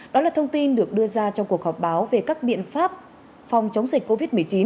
đó là thông tin được đưa ra trong cuộc họp báo về các biện pháp phòng chống dịch covid một mươi chín